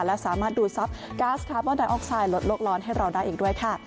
และสามารถดูทรัพย์ก๊าซคาร์บอนไดออกไซด์ลดโลกร้อนให้เราได้อีกด้วยค่ะ